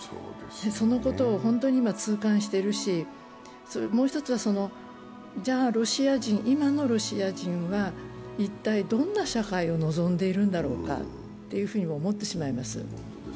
そのことを本当に今痛感しているし、もう一つはじゃ、ロシア人は一体どんな社会を望んでいるんだろうかと思ってしまいます。